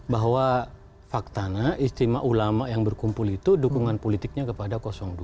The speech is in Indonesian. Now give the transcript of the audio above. bahwa faktanya istimewa ulama yang berkumpul itu dukungan politiknya kepada dua